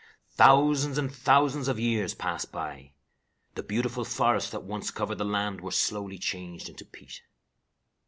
"Thousands and thousands of years passed by. The beautiful forests that once covered the land were slowly changed into peat."